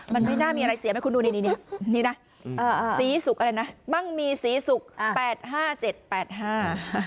มันไม่น่ามีอะไรเสียให้คุณดูนี่นี่นะสีสุกอะไรนะบ้างมีสีสุก๘๕๗๘๕